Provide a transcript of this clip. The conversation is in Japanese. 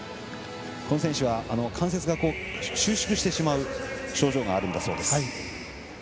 この選手は関節が収縮してしまう症状があるんだそうです。